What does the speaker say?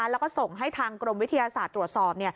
แล้วก็ส่งให้ทางกรมวิทยาศาสตร์ตรวจสอบ